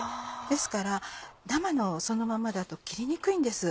ですから生のそのままだと切りにくいんです。